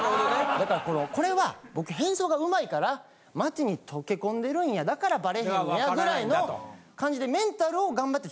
だからこれは僕変装が上手いから街に溶け込んでるんやだからバレへんやぐらいの感じで。